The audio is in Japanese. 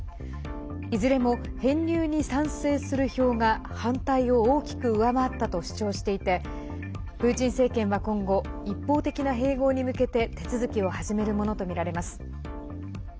いずれも編入に賛成する票が反対を大きく上回ったと主張していてプーチン政権は今後一方的な併合に向けて手続きを始めるものとみられます。